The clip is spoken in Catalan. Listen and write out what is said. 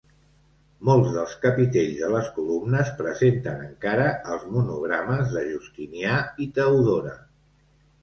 Molts dels capitells de les columnes presenten encara els monogrames de Justinià i Teodora.